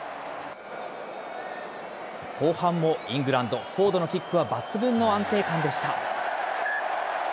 後半もイングランド、フォードのキックは抜群の安定感でした。